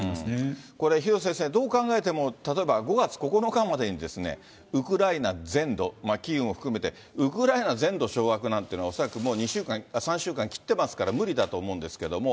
これ、廣瀬先生、どう考えても例えば５月９日までにウクライナ全土、キーウも含めて、ウクライナ全土掌握なんていうのは恐らくもう３週間切ってますから、無理だと思うんですけども。